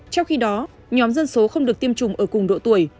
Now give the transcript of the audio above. trong khi đó nhóm dân số không được tiêm chủng ở cùng độ tuổi